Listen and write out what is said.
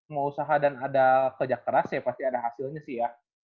mau usaha dan ada kerja keras ya pasti ada hasilnya sih ya